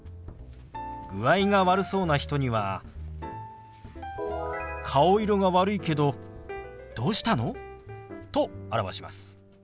具合が悪そうな人には「顔色が悪いけどどうしたの？」と表します。